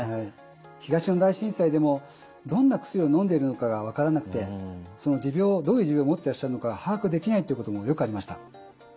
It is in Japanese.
東日本大震災でもどんな薬をのんでいるのかが分からなくてどういう持病を持ってらっしゃるのか把握できないということもよくありました。